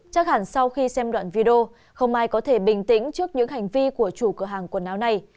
chắc hẳn sau khi xem đoạn video không ai có thể bình tĩnh trước những hành vi của chủ cửa hàng quần áo này